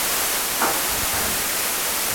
ازادي راډیو د کلتور په اړه د خلکو احساسات شریک کړي.